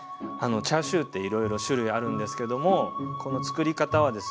チャーシューっていろいろ種類あるんですけどもこのつくり方はですね